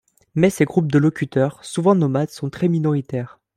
Mais ces groupes de locuteurs, souvent nomades, sont très minoritaires.